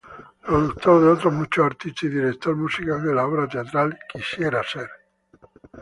Productor de otros muchos artistas, y director musical de la obra teatral "Quisiera ser".